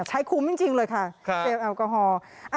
ใช้คุ้มจริงเลยค่ะเจลแอลกอฮอล์